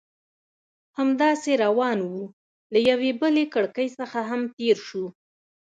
همداسې روان وو، له یوې بلې کړکۍ څخه هم تېر شوو.